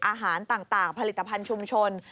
อาหารต่างผลิตภัณฑ์ชุมชน